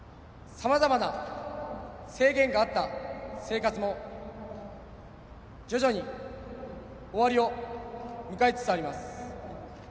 さまざまな制限があった生活も徐々に終わりを迎えつつあります。